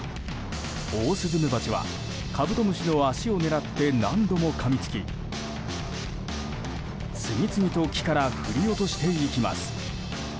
オオスズメバチはカブトムシの脚を狙って何度もかみつき、次々と木から振り落としていきます。